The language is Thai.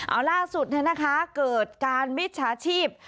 อันดับสุดเกิดการวิจชาชีพ